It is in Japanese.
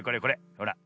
ほら。